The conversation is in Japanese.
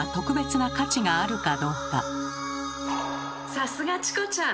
さすがチコちゃん！